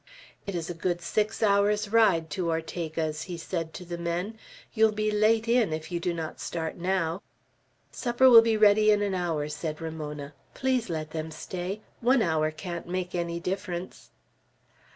"It is a good six hours' ride to Ortega's," he said to the men. "You'll be late in, if you do not start now." "Supper will be ready in an hour," said Ramona. "Please let them stay; one hour can't make any difference."